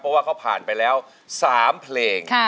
เพราะว่าเขาผ่านไปแล้ว๓เพลง